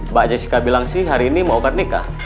mbak jessica bilang sih hari ini mau akad nikah